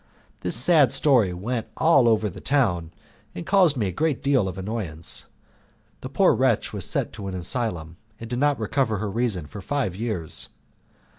This sad story went all over the town and caused me a great deal of annoyance. The poor wretch was sent to an asylum, and did not recover her reason for five years.